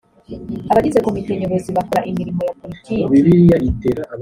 abagize komite nyobozi bakora imirimo ya politiki